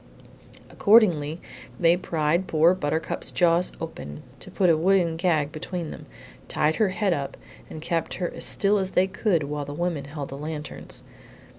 Accordingly they pried poor Buttercup's jaws open to put a wooden gag between them, tied her head up, and kept her as still as they could while the women held the lanterns.